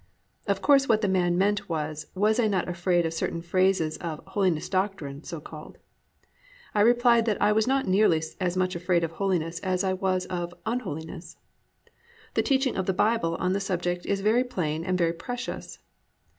Of course what the man meant was, was I not afraid of certain phases of "holiness doctrine" so called. I replied that I was not nearly as much afraid of holiness as I was of unholiness. The teaching of the Bible on the subject is very plain and very precious.